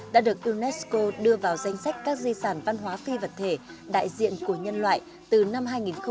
đã được unesco đưa vào danh sách các di sản văn hóa phi vật thể đại diện của nhân loại từ năm hai nghìn một mươi một